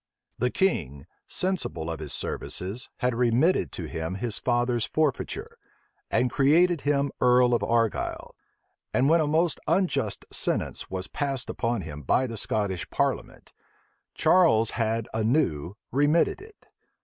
The king, sensible of his services, had remitted to him his father's forfeiture, and created him earl of Argyle; and when a most unjust sentence was passed upon him by the Scottish parliament, Charles had anew remitted it.